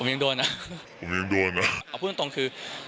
ผมยังโดนนะเนี่ยพูดลงตรงคือ